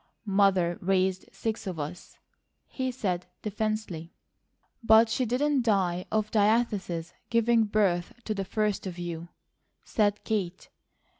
"Mother raised six of us." he said defensively. "But she didn't die of diathesis giving birth to the first of you," said Kate.